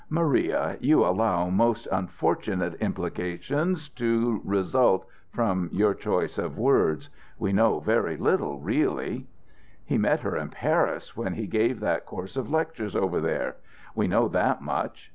Maria, you allow most unfortunate implications to result from your choice of words. We know very little, really." "He met her in Paris when he gave that course of lectures over there. We know that much.